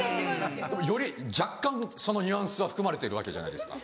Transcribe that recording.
でも若干そのニュアンスは含まれてるわけじゃないですか。